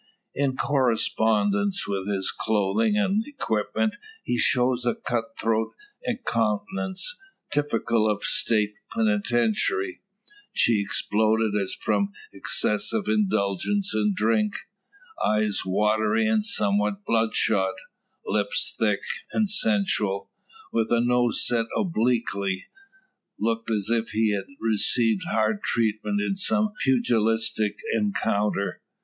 In correspondence with his clothing and equipment, he shows a cut throat countenance, typical of the State Penitentiary; cheeks bloated as from excessive indulgence in drink; eyes watery and somewhat bloodshot; lips thick and sensual; with a nose set obliquely, looking as if it had received hard treatment in some pugilistic encounter.